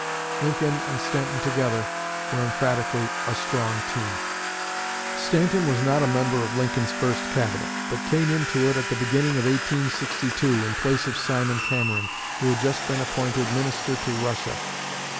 Lincoln and Stanton together were emphatically "a strong team." Stanton was not a member of Lincoln's first Cabinet, but came into it at the beginning of 1862, in place of Simon Cameron, who had just been appointed Minister to Russia.